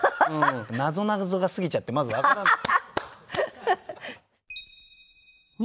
なぞなぞが過ぎちゃってまず分からない。